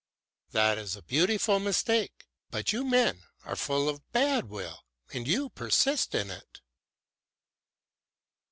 "That is a beautiful mistake. But you men are full of bad will and you persist in it."